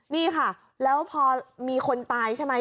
นี่ค่ะแล้วพอมีคนตายใช่ไหม